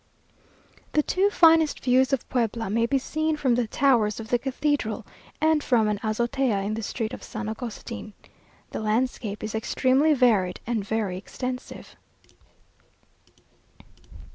The two finest views of Puebla may be seen from the towers of the cathedral, and from an azotea in the street of San Agustin. The landscape is extremely varied and very extensive.